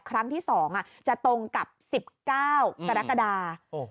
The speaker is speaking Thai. ครั้งที่๒จะตรงกับ๑๙กรกฎา